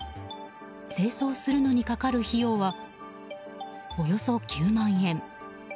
清掃するのにかかる費用はおよそ９万円。